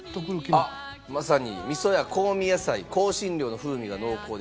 あっまさに味噌や香味野菜香辛料の風味が濃厚でコクのあるスープ。